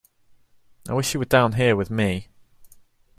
I wish you were down here with me!